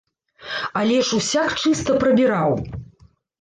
Але ж усяк чыста прабіраў!